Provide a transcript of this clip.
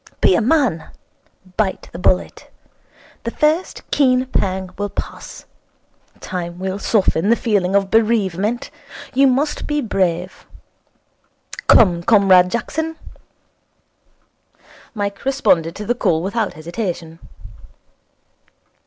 Be a man. Bite the bullet. The first keen pang will pass. Time will soften the feeling of bereavement. You must be brave. Come, Comrade Jackson.' Mike responded to the call without hesitation.